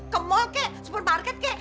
ke mall kek supermarket kayak